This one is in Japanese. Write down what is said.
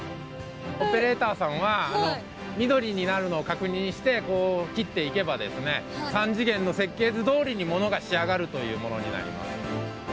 オペレーターさんは、緑になるのを確認して、こう切っていけばですね、３次元の設計図どおりにものが仕上がるというものになります。